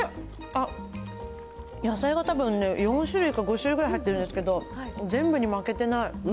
あっ、野菜がたぶんね、４種類か５種類くらい入ってるんですけど、全部に負けてない。